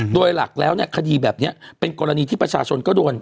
โดยหลักแล้วเนี่ยคดีแบบนี้เป็นกรณีที่ประชาชนก็โดน